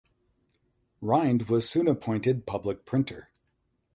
Rind was soon appointed public printer.